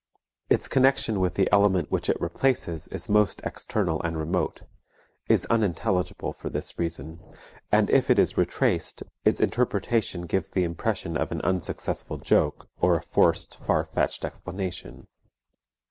Its connection with the element which it replaces is most external and remote, is unintelligible for this reason, and if it is retraced, its interpretation gives the impression of an unsuccessful joke or of a forced, far fetched explanation.